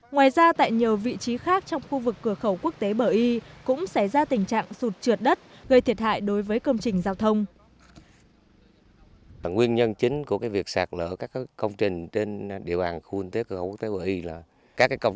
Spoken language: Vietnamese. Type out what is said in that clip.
ngoài ra tại nhiều vị trí khác trong khu vực cửa khẩu quốc tế bờ y cũng xảy ra tình trạng sụt trượt đất gây thiệt hại đối với công trình giao thông